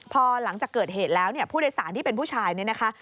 พอหลังจากเกิดเหตุแล้วเนี่ยผู้โดยสารที่เป็นผู้ชายเนี่ยนะคะ